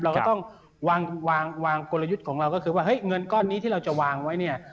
เราก็ต้องวางวางกลยุทธ์ของเราก็คือว่าเฮ้ยเงินก้อนนี้ที่เราจะวางไว้เนี่ย